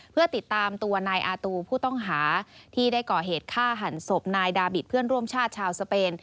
เพื่อติดตามตัวนายอาตูผู้ต้องหาที่ได้ก่อเหตุฆ่าหันศพนายดาบิตเพื่อนร่วมชาติชาวสเปน